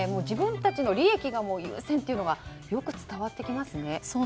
自分たちの利益が優先というのがよく伝わってきますね。